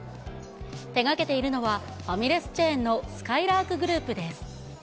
手がけているのは、ファミレスチェーンのすかいらーくグループです。